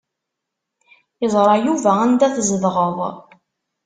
Iẓra Yuba anda tzedɣeḍ.